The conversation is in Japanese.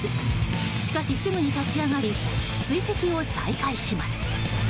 しかし、すぐに立ち上がり追跡を再開します。